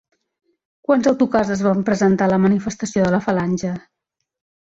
Quants autocars es van presentar a la manifestació de la Falange?